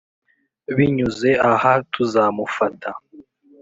binyuze aha tuzamufata